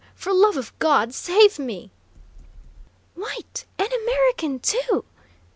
For love of God, save me!" "White, an American, too!"